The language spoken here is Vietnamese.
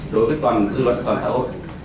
đối với toàn dư luận toàn xã hội